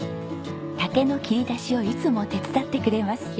竹の切り出しをいつも手伝ってくれます。